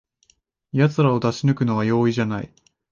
やつらを出し抜くのは容易じゃない